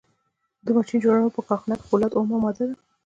د ماشین جوړونې په کارخانه کې فولاد اومه ماده ده.